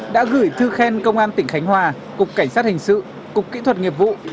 đã gửi thư khen công an tỉnh khánh hòa cục cảnh sát hình sự cục kỹ thuật nghiệp vụ